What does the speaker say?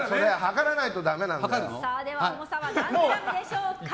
重さは何グラムでしょうか。